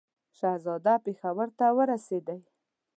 شهزاده پېښور ته ورسېدی.